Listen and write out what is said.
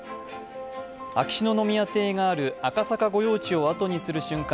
秋篠宮邸がある赤坂御用地を後にする瞬間